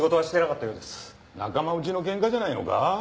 仲間うちのケンカじゃないのか？